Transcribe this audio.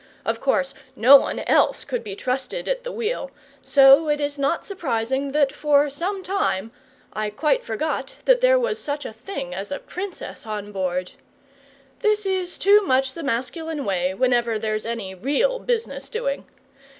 Of course no one else could be trusted at the wheel, so it is not surprising that for some time I quite forgot that there was such a thing as a Princess on board. This is too much the masculine way, whenever there's any real business doing.